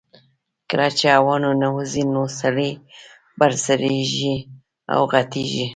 کله چې هوا ننوځي نو سږي پړسیږي او غټیږي